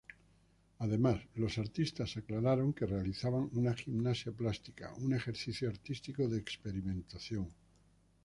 Además, los artistas aclararon que realizaban una "gimnasia plástica", un ejercicio artístico de experimentación.